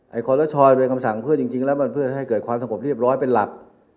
คอสชเป็นคำสั่งเพื่อจริงแล้วมันเพื่อให้เกิดความสงบเรียบร้อยเป็นหลัก